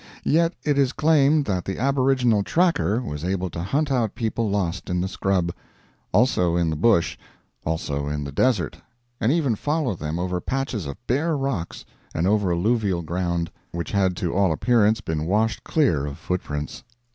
Yet it is claimed that the aboriginal "tracker" was able to hunt out people lost in the scrub. Also in the "bush"; also in the desert; and even follow them over patches of bare rocks and over alluvial ground which had to all appearance been washed clear of footprints.